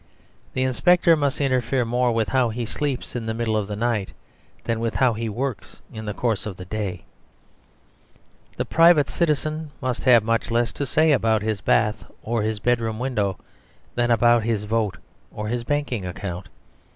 The inspector must interfere more with how he sleeps in the middle of the night than with how he works in the course of the day. The private citizen must have much less to say about his bath or his bedroom window than about his vote or his banking account.